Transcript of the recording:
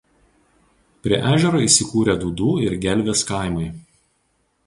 Prie ežero įsikūrę Dūdų ir Gelvės kaimai.